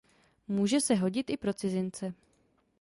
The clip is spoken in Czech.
Může se hodit i pro cizince.